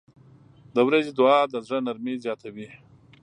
• د ورځې دعا د زړه نرمي زیاتوي.